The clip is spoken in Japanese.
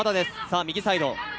右サイド。